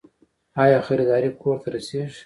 آیا خریداري کور ته رسیږي؟